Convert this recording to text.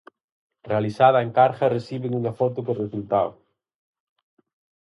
Realizada a encarga reciben unha foto co resultado.